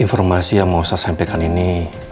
informasi yang mau saya sampaikan ini